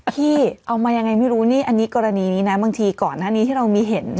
พี่เอามายังไงไม่รู้นี่อันนี้กรณีนี้นะบางทีก่อนหน้านี้ที่เรามีเห็น